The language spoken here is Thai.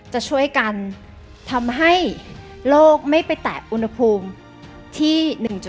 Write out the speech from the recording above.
จะช่วยกันทำให้โลกไม่ไปแตะอุณหภูมิที่๑๔